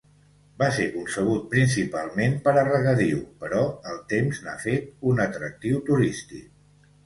Va ser concebut principalment per a regadiu, però el temps n'ha fet un atractiu turístic.